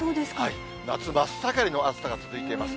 夏真っ盛りの暑さが続いています。